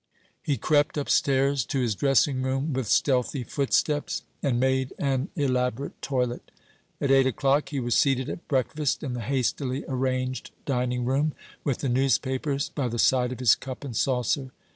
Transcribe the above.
He crept upstairs to his dressing room with stealthy footsteps, and made an elaborate toilet. At eight o'clock he was seated at breakfast in the hastily arranged dining room, with the newspapers by the side of his cup and saucer.